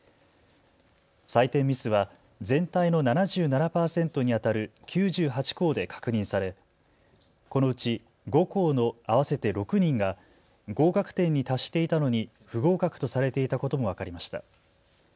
採点ミスは全体の７７％にあたる９８校で確認されこのうち５校の合わせて６人が合格点に達していたのに不合格とされていたことも分かりました。